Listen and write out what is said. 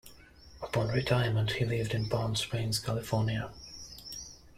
Upon retirement he lived in Palm Springs, California.